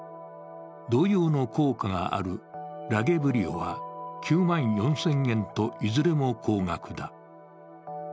同様の効果があるラゲブリオは９万４０００円といずれも高額だ。